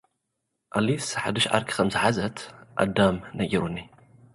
ኣሊስ ሓዲሽ ዓርኪ ከምዝሓዘት ኣዳም ነጊሩኒ።